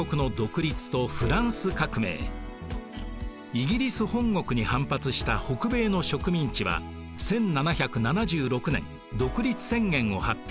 イギリス本国に反発した北米の植民地は１７７６年独立宣言を発表。